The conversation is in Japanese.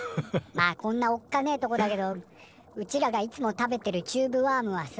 まあこんなおっかねえとこだけどうちらがいつも食べてるチューブワームはさ